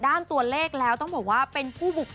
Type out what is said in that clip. แต่มีนักแสดงคนนึงเดินเข้ามาหาผมบอกว่าขอบคุณพี่แมนมากเลย